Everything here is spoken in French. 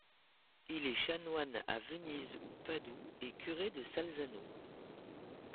Il est chanoine à Venise ou Padoue et curé de Salzano.